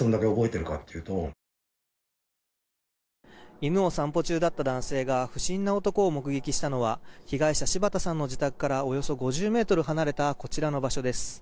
犬を散歩中だった男性が不審な男を目撃したのは被害者、柴田さんの自宅からおよそ５０ｍ離れたこちらの場所です。